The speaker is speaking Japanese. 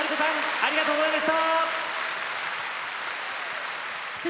ありがとうございます。